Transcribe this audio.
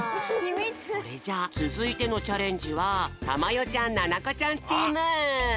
それじゃあつづいてのチャレンジはたまよちゃんななこちゃんチーム！